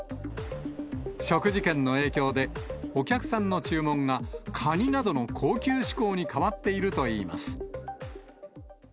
食事券の影響で、お客さんの注文が、カニなどの高級志向に変わっているといいます。